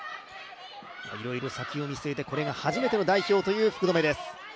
いろいろ先を見据えてこれが初めての代表という福留です。